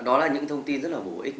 đó là những thông tin rất là bổ ích